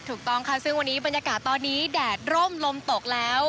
ถูกต้องค่ะซึ่งวันนี้บรรยากาศตอนนี้แดดร่มลมตกแล้ว